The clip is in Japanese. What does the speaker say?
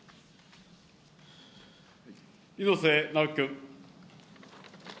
猪瀬直樹君。